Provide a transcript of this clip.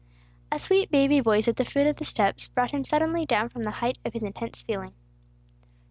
A sweet baby voice at the foot of the steps brought him suddenly down from the height of his intense feeling.